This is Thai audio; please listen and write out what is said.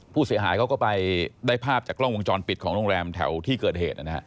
ผู้เสียหายเขาก็ไปได้ภาพจากกล้องวงจรปิดของโรงแรมแถวที่เกิดเหตุนะฮะ